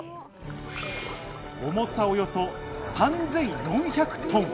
重さおよそ３４００トン。